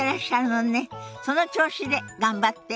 その調子で頑張って。